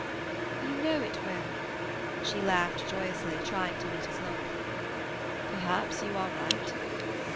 "You know it will." She laughed joyously, trying to meet his look. "Perhaps you are right."